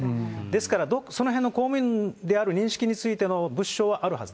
ですから、そのへんの公務員である認識についての物証はあるはず